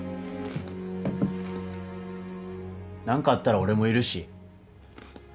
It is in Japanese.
何かあったら俺もいるし。